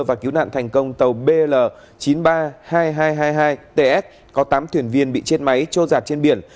và cứu nạn thành công tàu bl chín mươi ba hai nghìn hai trăm hai mươi hai ts có tám thuyền viên bị chết máy trôi giặt trên biển